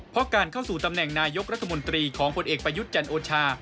เพราะการเข้าสู่ตำแหน่งนายกรัฐมนตรีของผลเอกประยุทธ์จันโอชา